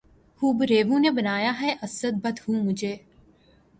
خوبرویوں نے بنایا ہے اسد بد خو مجھے